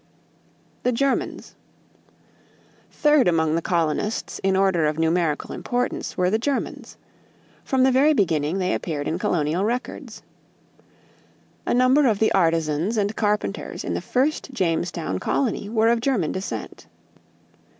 =The Germans.= Third among the colonists in order of numerical importance were the Germans. From the very beginning, they appeared in colonial records. A number of the artisans and carpenters in the first Jamestown colony were of German descent.